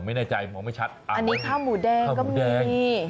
ไม่แน่ใจมองไม่ชัดอันนี้ข้าวหมูแดงก็มี